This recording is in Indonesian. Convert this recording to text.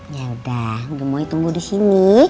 yaudah gemoy tunggu di sini